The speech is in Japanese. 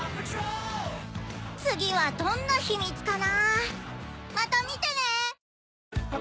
次はどんなヒ・ミ・ツかな？